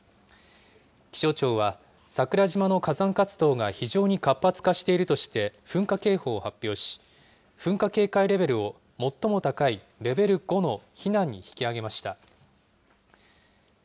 気象庁は、桜島の火山活動が非常に活発化しているとして、噴火警報を発表し、噴火警戒レベルを最も高いレベル５の避難に引き上げました。